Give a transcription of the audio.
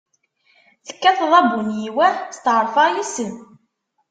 Tekkateḍ abunyiw ah! Setɛerfeɣ yis-m.